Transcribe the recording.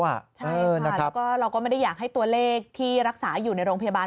ใช่ค่ะแล้วก็เราก็ไม่ได้อยากให้ตัวเลขที่รักษาอยู่ในโรงพยาบาล